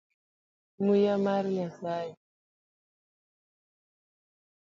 Muya mar nyasaye.